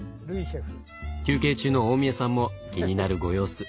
休憩中の大宮さんも気になるご様子。